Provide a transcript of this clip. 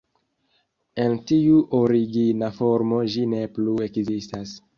En tiu origina formo ĝi ne plu ekzistas.